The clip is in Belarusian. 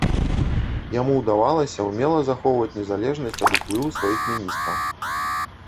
Яму ўдавалася ўмела захоўваць незалежнасць ад уплыву сваіх міністраў.